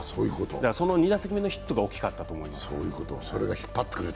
その２打席目のヒットが大きかったと思います。